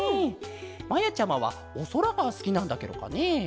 まやちゃまはおそらがすきなんだケロかね？